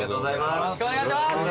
よろしくお願いします！